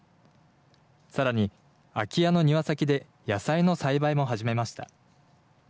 さらに空き家の庭先で野菜の栽培も始めました。